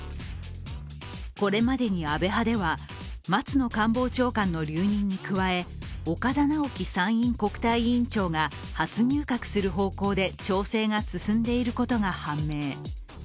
これまでに安倍派では、松野官房長官の留任に加え岡田直樹参院国対委員長が初入閣する方向で調整が進んでいることが判明。